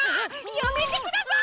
やめてください！